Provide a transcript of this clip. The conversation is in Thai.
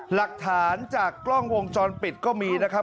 หลักฐานจากกล้องวงจรปิดก็มีนะครับ